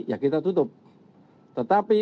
ya kita tutup tetapi